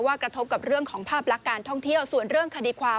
กระทบกับเรื่องของภาพลักษณ์การท่องเที่ยวส่วนเรื่องคดีความ